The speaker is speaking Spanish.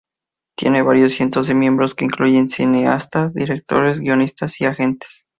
Tiene varios cientos de miembros que incluyen cineastas, directores, guionistas y agentes.